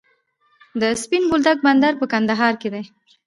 د سپین بولدک بندر په کندهار کې دی